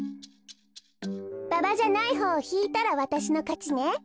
ババじゃないほうをひいたらわたしのかちね。